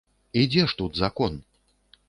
І дзе ж тут закон?